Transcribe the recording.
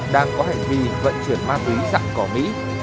đang có hành vi vận chuyển ma túy dạng cỏ mỹ